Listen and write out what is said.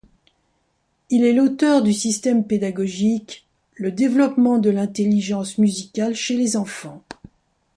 Il est l'auteur du système pédagogique 'Le développement de l'intelligence musicale chez les enfants'.